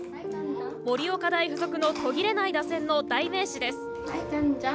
盛岡大付属の途切れない打線の代名詞です。